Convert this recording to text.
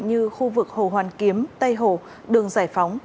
như khu vực hồ hoàn kiếm tây hồ đường giải phóng